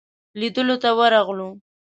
لیدلو ته ورغلو.